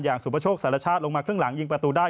สุประโชคสารชาติลงมาครึ่งหลังยิงประตูได้